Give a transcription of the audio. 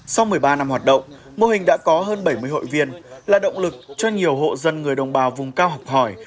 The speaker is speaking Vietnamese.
sau một mươi ba năm hoạt động mô hình đã có hơn bảy mươi hội viên là động lực cho nhiều hộ dân người đồng bào vùng cao học hỏi